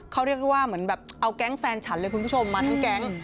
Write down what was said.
เขาเรียกได้ว่าเหมือนแบบเอาแก๊งแฟนฉันเลยคุณผู้ชมมาทั้งแก๊ง